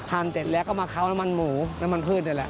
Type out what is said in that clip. ทานเสร็จแล้วก็มาเคาะน้ำมันหมูน้ำมันพืชอะไรแหละ